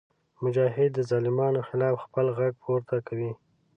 مجاهد د ظالمانو خلاف خپل غږ پورته کوي.